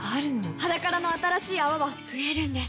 「ｈａｄａｋａｒａ」の新しい泡は増えるんです